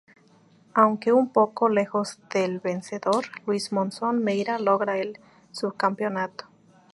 Aunque un poco lejos del vencedor Luis Monzón, Meira logra el subcampeonato.